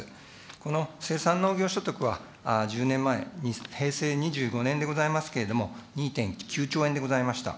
この生産農業所得は、１０年前、平成２５年でございますけれども、２．９兆円でございました。